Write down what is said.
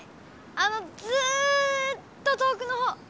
あのずっと遠くのほう。